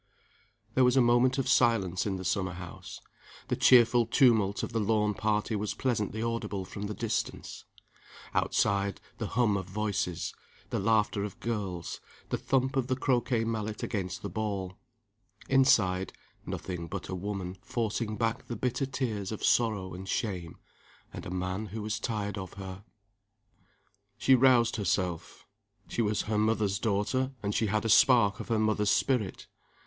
There was a moment of silence in the summer house. The cheerful tumult of the lawn party was pleasantly audible from the distance. Outside, the hum of voices, the laughter of girls, the thump of the croquet mallet against the ball. Inside, nothing but a woman forcing back the bitter tears of sorrow and shame and a man who was tired of her. She roused herself. She was her mother's daughter; and she had a spark of her mother's spirit.